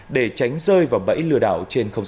để tránh rơi vào bẫy lừa đảo